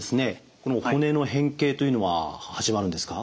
この骨の変形というのは始まるんですか？